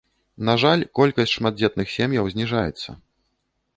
На жаль, колькасць шматдзетных сем'яў зніжаецца.